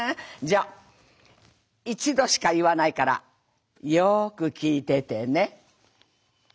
じゃあ一度しか言わないからよく聞いててね。